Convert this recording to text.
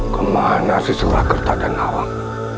kemana si surakerta dan awang